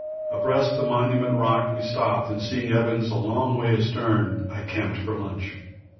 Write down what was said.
Abreast the Monument Rock we stopped, and seeing Evans a long way astern, I camped for lunch.